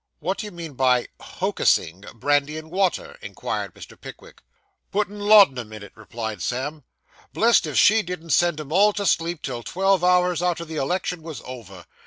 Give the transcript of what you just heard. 'What do you mean by "hocussing" brandy and water?' inquired Mr. Pickwick. 'Puttin' laud'num in it,' replied Sam. 'Blessed if she didn't send 'em all to sleep till twelve hours arter the election was over.